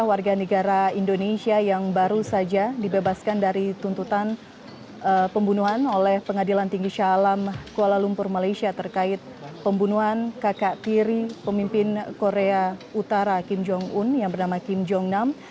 warga negara indonesia yang baru saja dibebaskan dari tuntutan pembunuhan oleh pengadilan tinggi syalam kuala lumpur malaysia terkait pembunuhan kakak tiri pemimpin korea utara kim jong un yang bernama kim jong nam